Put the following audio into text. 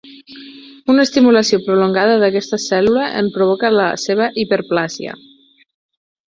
Una estimulació prolongada d'aquesta cèl·lula en provoca la seva hiperplàsia.